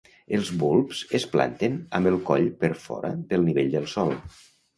Els bulbs es planten amb el coll per fora del nivell del sòl.